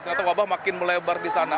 ternyata wabah makin melebar di sana